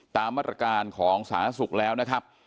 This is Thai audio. ตามอัตรการของสหสักแล้วนะครับ